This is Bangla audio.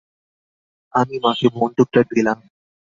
আমি মাকে বন্দুক টা দিলাম।